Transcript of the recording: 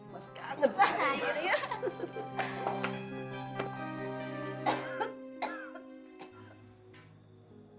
mas kangen pak